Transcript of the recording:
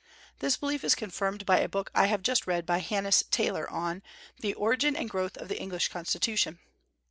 This belief is confirmed by a book I have just read by Hannis Taylor on the "Origin and Growth of the English Constitution."